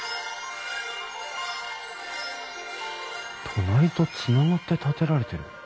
隣とつながって建てられてる。